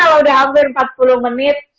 kalau udah hampir empat puluh menit